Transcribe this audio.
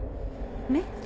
ねっ？